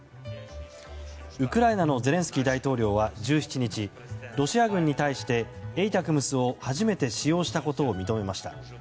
ウクライナのゼレンスキー大統領は１７日ロシア軍に対してＡＴＡＣＭＳを初めて使用したことを認めました。